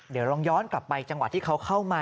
เดี๋ยวลองย้อนกลับไปจังหวะที่เขาเข้ามา